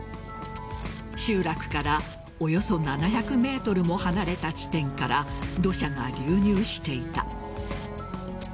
集落からおよそ７００ｍも離れた地点から土砂が流入していた。